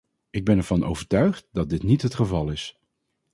Ik ben ervan overtuigd dat dit niet het geval is.